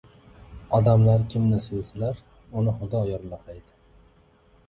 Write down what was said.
• Odamlar kimni sevsalar, uni Xudo yorlaqaydi.